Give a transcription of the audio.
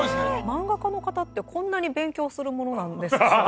漫画家の方ってこんなに勉強するものなんですか？